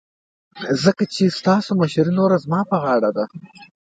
ځکه چې ستاسو مشرې نوره زما په غاړه ده.